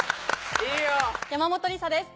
・山本里咲です